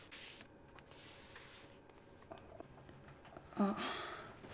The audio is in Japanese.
あっ。